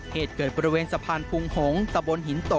เหตุเกิดบริเวณสะพานพุงหงษ์ตะบนหินโต